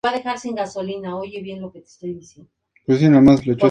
Las islas se caracterizan por sus elevadas montañas comparado con su extensión superficial.